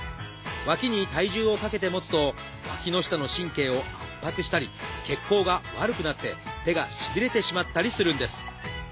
わきに体重をかけて持つとわきの下の神経を圧迫したり血行が悪くなって手がしびれてしまったりするんです。